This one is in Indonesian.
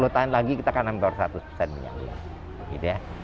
sepuluh tahun lagi kita akan ambil satu set minyak bumi